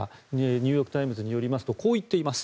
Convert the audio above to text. ニューヨーク・タイムズによりますと、こう言っています。